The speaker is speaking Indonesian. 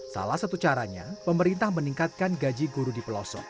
salah satu caranya pemerintah meningkatkan gaji guru di pelosok